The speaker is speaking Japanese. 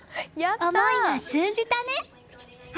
思いが通じたね！